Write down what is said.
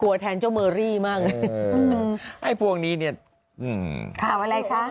กลัวแทนเจ้าเมอรี่มั่งให้พวกนี้เนี่ยข่าวอะไรคะ